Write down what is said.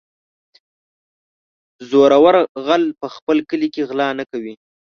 - زورور غل په خپل کلي کې غلا نه کوي.